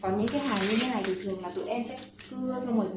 còn những cái hàng như thế này thì thường là tụi em sẽ cứ cho mọi người